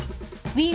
ウィン。